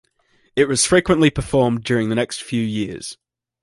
It was frequently performed during the next few years.